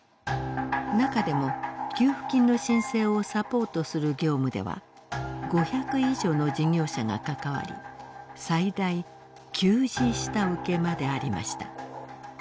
中でも給付金の申請をサポートする業務では５００以上の事業者が関わり最大９次下請けまでありました。